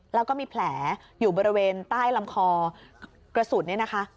แล้วก็มีแผลอยู่บริเวณใต้ลำคอกระสุนเนี่ยนะคะ